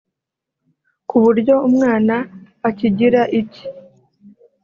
ku buryo umwana akigira icye